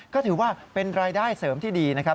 ก็ถือว่าเป็นรายได้เสริมที่ดีนะครับ